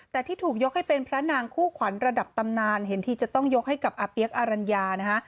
แต่ที่ถูกยกให้เป็นพระนางคู่ขวัญระดับตำนานเห็นที่จะต้องยกให้กับอาเปี๊ยกอารัญญานะฮะ